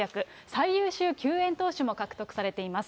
最優秀救援投手も獲得されています。